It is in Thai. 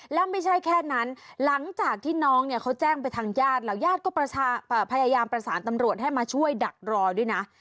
แล้วไม่ใช่แค่นั้นหลังจากที่น้องเนี่ยเขาแจ้งไปทางญาติแล้วญาติก็พยายามประสานตำรวจให้มาช่วยดักรอด้วยนะ